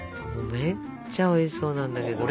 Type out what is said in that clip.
めっちゃおいしそうなんだけど。